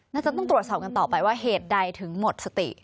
น่าจะต้องตรวจสอบกันต่อไปว่าเหตุใดถึงหมดสติ